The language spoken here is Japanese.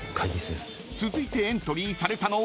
［続いてエントリーされたのは］